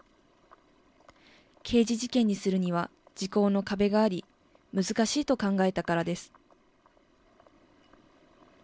刑事事件にするには時効の壁があり、難しいと考えたからです。